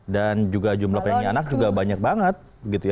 dan juga jumlah penyanyi anak juga banyak banget